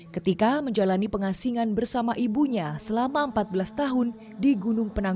ketika menjalani pengasingan bersama ibunya selama empat belas tahun di gunung penanggung